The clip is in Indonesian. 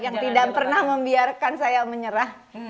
yang tidak pernah membiarkan saya menyerah